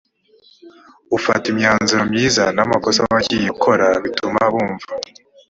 ufata imyanzuro myiza n amakosa wagiye ukora bituma bumva